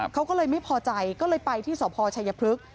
เขาก็เลยไม่พอใจก็เลยไปที่สพชัยพฤกษ